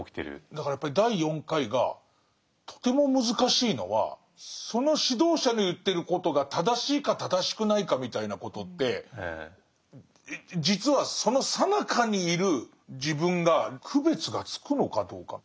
だからやっぱり第４回がとても難しいのはその指導者の言ってることが正しいか正しくないかみたいなことって実はそのさなかにいる自分が区別がつくのかどうか。